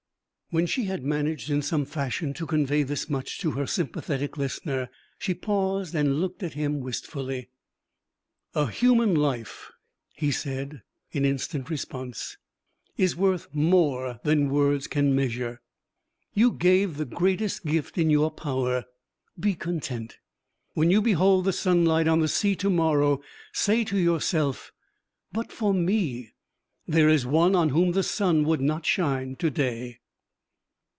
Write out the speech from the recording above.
When she had managed in some fashion to convey this much to her sympathetic listener, she paused and looked at him wistfully. 'A human life,' he said, in instant response, 'is worth more than words can measure. You gave the greatest gift in your power. Be content. When you behold the sunlight on the sea to morrow, say to yourself, "But for me there is one on whom the sun would not shine to day."'